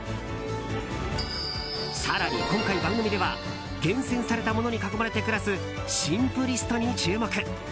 更に今回、番組では厳選されたモノに囲まれて暮らすシンプリストに注目。